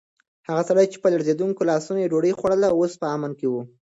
هغه سړی چې په لړزېدونکو لاسونو یې ډوډۍ خوړله، اوس په امن کې و.